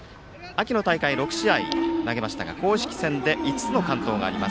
秋の大会６試合投げましたが公式戦で５つの完投があります。